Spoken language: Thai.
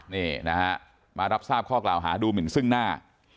นี่นะฮะมารับทราบข้อกล่าวหาดูหมินซึ่งหน้า